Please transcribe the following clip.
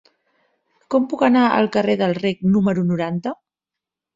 Com puc anar al carrer del Rec número noranta?